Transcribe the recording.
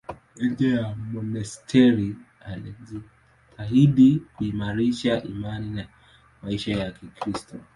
Nje ya monasteri alijitahidi kuimarisha imani na maisha ya Kikristo.